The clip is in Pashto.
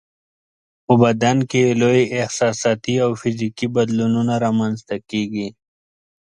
په بدن کې یې لوی احساساتي او فزیکي بدلونونه رامنځته کیږي.